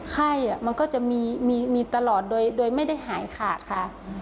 ไข้มันก็จะมีตลอดโดยไม่ได้หายขาดค่ะ